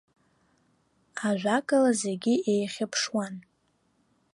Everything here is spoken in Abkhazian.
Ажәакала зегьы еихьыԥшуан.